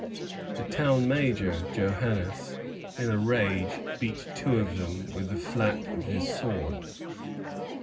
The town major, Joannès, in a rage, beat two of them with the flat of his sword.